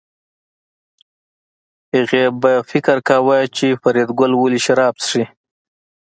هغې به فکر کاوه چې فریدګل ولې شراب څښي